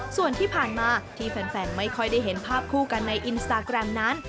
ส่วนที่ผ่านมาที่แฟนไม่ค่อยได้เห็นภาพคู่กันในอินสตาแกรมนั้น